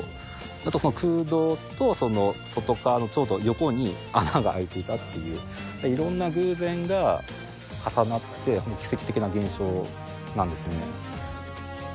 あとその空洞と外側のちょうど横に穴が開いていたっていう、いろんな偶然が重なって、奇跡的な現象なんですね。